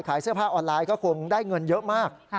เสื้อผ้าออนไลน์ก็คงได้เงินเยอะมาก